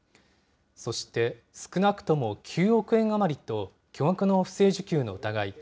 そして、少なくとも９億円余りと巨額の不正受給の疑い。